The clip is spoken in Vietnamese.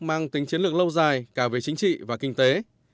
mang tính chiến lược lâu dài cả về chính trị và kinh tế